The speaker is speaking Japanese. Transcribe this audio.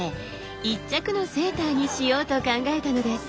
一着のセーターにしようと考えたのです。